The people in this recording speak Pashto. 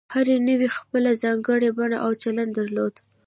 هرې نوعې خپله ځانګړې بڼه او چلند درلود.